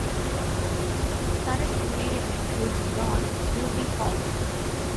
Its current mayor is Don "Booty" Hall.